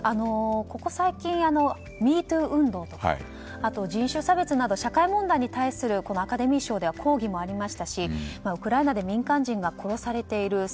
ここ最近、ＭｅＴｏｏ運動とかあと人種差別など社会問題に対するアカデミー賞では抗議もありましたしウクライナで民間人が殺されている。